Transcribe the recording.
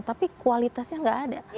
tapi kualitasnya nggak ada